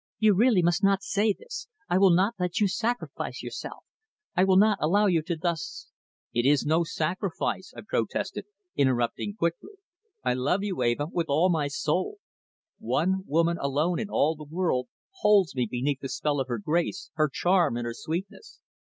"You really must not say this. I will not let you sacrifice yourself. I will not allow you to thus " "It is no sacrifice," I protested, quickly interrupting. "I love you, Eva, with all my soul. One woman alone in all the world holds me beneath the spell of her grace, her charm and her sweetness.